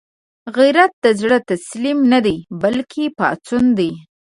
غیرت د زړه تسلیم نه دی، بلکې پاڅون دی